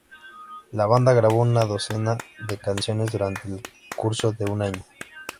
La banda grabó una docena de canciones durante el curso de un año.